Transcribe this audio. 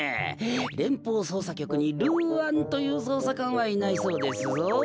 れんぽうそうさきょくにルーアンというそうさかんはいないそうですぞ。